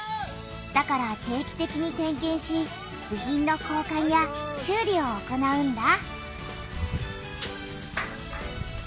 だから定期てきに点けんし部品の交かんや修理を行うんだ。